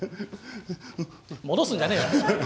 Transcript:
戻すんじゃねえよ。